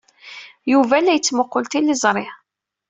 Yuba la yettmuqqul tiliẓri.